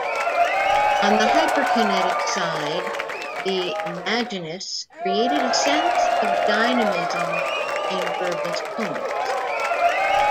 On the hyperkinetic side the Imaginists created a sense of dynamism in verbless poems.